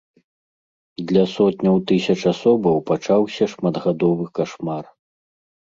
Для сотняў тысяч асобаў пачаўся шматгадовы кашмар.